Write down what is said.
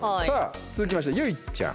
続きまして、結実ちゃん。